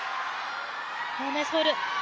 ナイスボール！